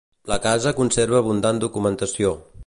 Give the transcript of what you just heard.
La casa conserva abundant documentació.